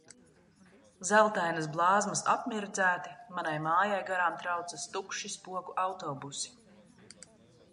Zeltainas blāzmas apmirdzēti, manai mājai garām traucas tukši spoku autobusi.